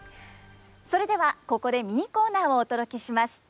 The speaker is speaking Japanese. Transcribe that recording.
それではここでミニコーナーをお届けします。